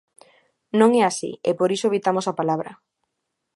Non é así e por iso evitamos a palabra.